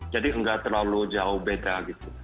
jadi ngga terlalu jauh beda gitu